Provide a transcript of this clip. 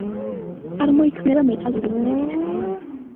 წარმოიქმნება მეტალური ბმებით.